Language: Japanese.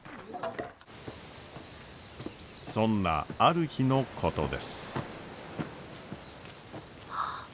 そんなある日のことです。